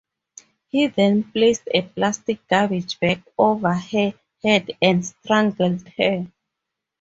He then placed a plastic garbage bag over her head and strangled her.